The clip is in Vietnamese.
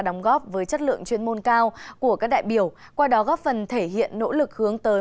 đóng góp với chất lượng chuyên môn cao của các đại biểu qua đó góp phần thể hiện nỗ lực hướng tới